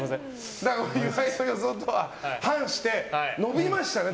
岩井の予想とは反して伸びましたね。